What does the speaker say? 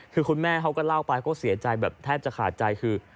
คุณแม่เค้าเข้าเล่าไปก็เสียจริงแทบจะขาดใจคือ